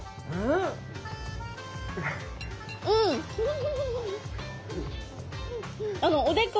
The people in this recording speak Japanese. うん！